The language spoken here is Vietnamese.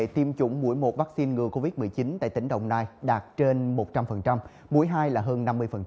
tiêm chủng mũi một vaccine ngừa covid một mươi chín tại tỉnh đồng nai đạt trên một trăm linh mũi hai là hơn năm mươi